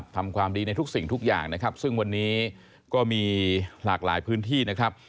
ทำความดีในทุกสิ่งทุกอย่างนะครับซึ่งวันนี้ก็มีหลากหลายพื้นที่นะครับ